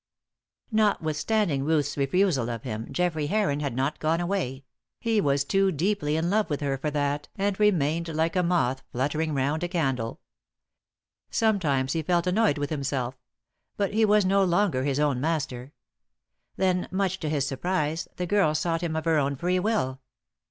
Notwithstanding Ruth's refusal of him, Geoffrey Heron had not gone away; he was too deeply in love with her for that, and remained like a moth fluttering round a candle. Sometimes he felt annoyed with himself; but he was no longer his own master. Then, much to his surprise, the girl sought him of her own free will.